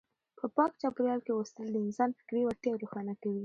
په پاک چاپیریال کې اوسېدل د انسان فکري وړتیاوې روښانه کوي.